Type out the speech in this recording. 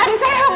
adi saya kemana